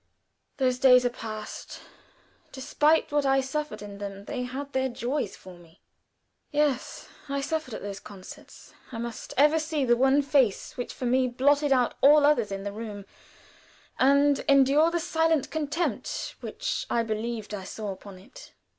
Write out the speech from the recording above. Those days are past: despite what I suffered in them they had their joys for me. Yes; I suffered at those concerts. I must ever see the one face which for me blotted out all others in the room, and endure the silent contempt which I believed I saw upon it.